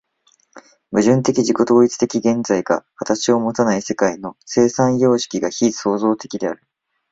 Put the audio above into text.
矛盾的自己同一的現在が形をもたない世界の生産様式が非創造的である。